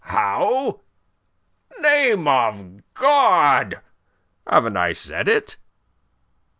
"How? Name of God! Haven't I said it?"